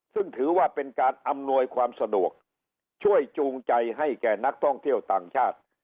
ซึ่งถือว่าเป็นการอำนวยความสะดวกช่วยจูงใจให้แก่นักท่องเที่ยวต่างชาติ